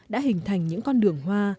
đã hình thành những con đường hoa